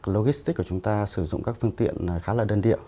logistics của chúng ta sử dụng các phương tiện khá là đơn điệu